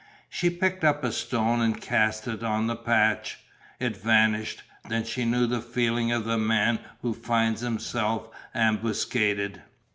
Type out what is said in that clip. She picked up a stone and cast it on the patch. It vanished. Then she knew the feeling of the man who finds himself ambuscaded.